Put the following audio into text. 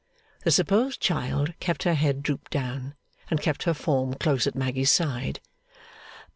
The supposed child kept her head drooped down, and kept her form close at Maggy's side.